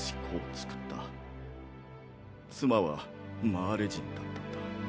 妻はマーレ人だったんだ。